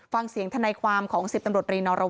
ฟังเสียงทะนายความของ๑๐ตำรวจตรีนอรวิทค่ะ